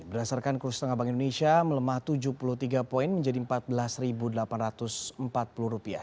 berdasarkan kursus tengah bank indonesia melemah rp tujuh puluh tiga poin menjadi rp empat belas delapan ratus empat puluh